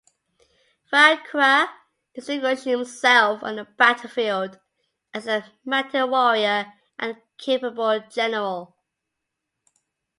Fan Kuai distinguished himself on the battlefield as a mighty warrior and capable general.